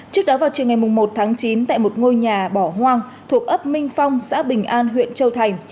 trước đó vào chiều ngày một tháng chín tại một ngôi nhà bỏ hoang thuộc ấp minh phong xã bình an huyện châu thành